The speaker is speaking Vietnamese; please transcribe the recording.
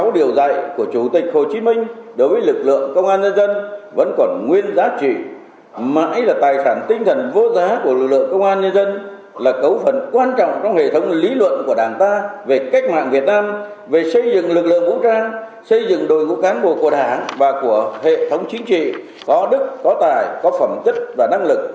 đối với cán bộ của đảng và của hệ thống chiến trị có đức có tài có phẩm kích và năng lực